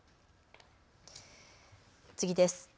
次です。